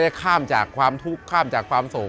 ข้ามจากความทุกข์ข้ามจากความสุข